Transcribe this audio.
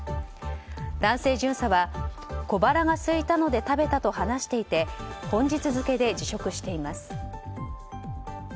男性巡査は小腹がすいたので食べたと話していて本日付で辞職しています。